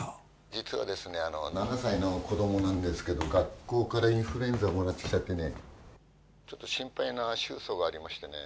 実はですね７歳の子供なんですけど学校からインフルエンザをもらってきちゃってねちょっと心配な愁訴がありましてね。